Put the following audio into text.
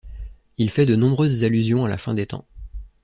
Il fait de nombreuses allusions à la fin des temps.